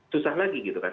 susah lagi gitu kan